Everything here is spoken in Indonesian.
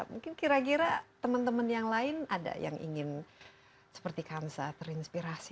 mungkin kira kira temen temen yang lain ada yang ingin seperti kamsa terinspirasi